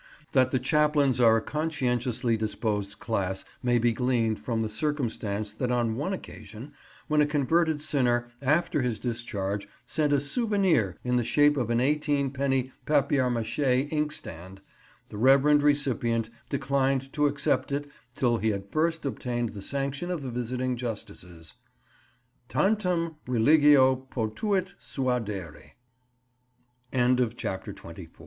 That the chaplains are a conscientiously disposed class may be gleaned from the circumstance that on one occasion, when a converted sinner after his discharge sent a souvenir in the shape of an eighteen penny papier mâché inkstand, the reverend recipient declined to accept it till he had first obtained the sanction of the visiting Justices. "Tantum religio potuit suadere." CHAPTER XXV THE HOSPI